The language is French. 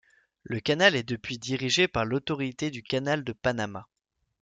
Le canal est depuis dirigé par l'Autorité du Canal de Panama.